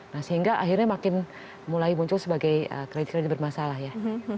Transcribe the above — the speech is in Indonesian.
nah sehingga akhirnya makin mulai muncul sebagai kredit kredit bermasalah ya